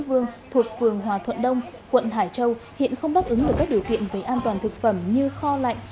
vương thuộc phường hòa thuận đông quận hải châu hiện không đáp ứng được các điều kiện về an toàn thực phẩm như kho lạnh